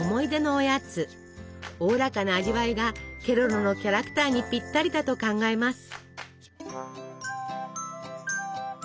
おおらかな味わいがケロロのキャラクターにぴったりだと考えます。